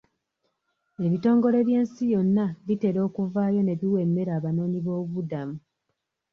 Ebitongole by'ensi yonna bitera okuvaayo ne biwa emmere abanoonyiboobubudamu.